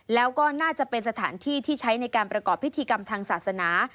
แล้วก็น่าจะเป็นสถานที่ที่ใช้ในการประกอบพิธีกรรมทางศาสนา